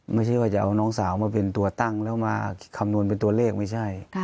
ไม่ใช่ว่าจะเอาน้องสาวมาเป็นตัวตั้งแล้วมาคำนวณเป็นตัวเลขไม่ใช่